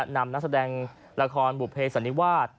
นำนักแสดงละครบุเภสันนิวาส